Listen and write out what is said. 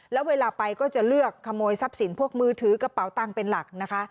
แล้วเวลาไปก็จะเลือกขโมยทรัพย์สินพวกมือถือกระเป๋าตังค์เป็นหลักนะคะ